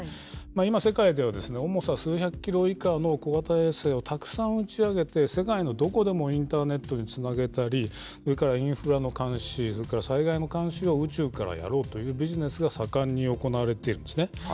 今、世界では重さ数百キロ以下の小型衛星をたくさん打ち上げて、世界のどこでもインターネットにつなげたり、インフラの監視、それから災害の監視を宇宙からやろうというビジネスが盛んに行われているんですね。